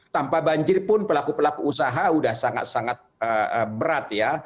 tanpa banjir pun pelaku pelaku usaha sudah sangat sangat berat ya